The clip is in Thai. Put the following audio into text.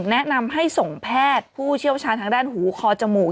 แนะนำให้ส่งแพทย์ผู้เชี่ยวชาญทางด้านหูคอจมูก